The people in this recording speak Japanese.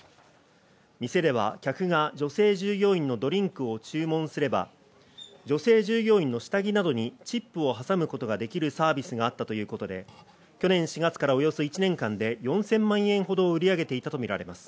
店では客が女性従業員のドリンクを注文すれば女性従業員の下着などにチップを挟むことができるサービスがあったということで、去年４月からおよそ１年間で４０００万円ほど売り上げていたとみられています。